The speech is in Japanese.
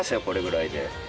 これぐらいで。